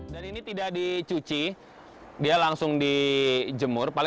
dan ini tidak dicuci dia langsung dijemur